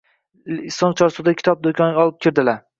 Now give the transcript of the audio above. Soʻng Chorsudagi kitob doʻkonga olib kirdilar.